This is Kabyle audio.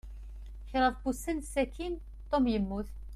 Kṛaḍ n wussan sakin, Tom yemmut.